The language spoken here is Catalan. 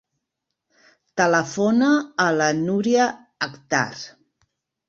Telefona a la Núria Akhtar.